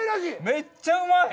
めっちゃうまい！